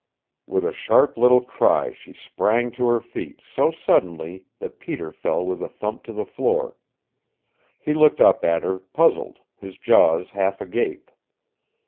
With a sharp little cry she sprang to her feet, so suddenly that Peter fell with a thump to the floor. He looked up at her, puzzled, his jaws half agape.